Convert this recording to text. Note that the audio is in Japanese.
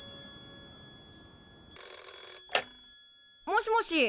☎もしもし。